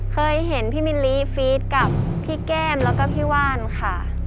เคยเห็นพี่มิลลิฟีดกับพี่แก้มแล้วก็พี่ว่านค่ะ